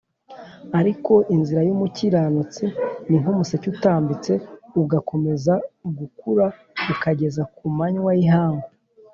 ariko inzira y’umukiranutsi ni nk’umuseke utambitse, ugakomeza gukura ukageza ku manywa y’ihangu